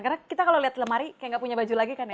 karena kita kalau lihat lemari kayak gak punya baju lagi kan ya